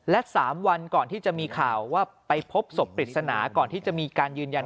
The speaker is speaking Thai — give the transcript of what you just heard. และ๓วันก่อนที่จะมีข่าวว่าไปพบศพปริศนาก่อนที่จะมีการยืนยัน